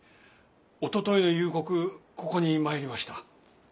おとといの夕刻ここに参りました。